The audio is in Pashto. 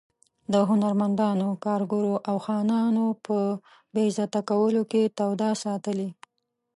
د هنرمندانو، کارګرو او خانانو په بې عزته کولو کې توده ساتلې.